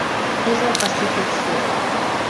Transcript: És al Pacífic Sud.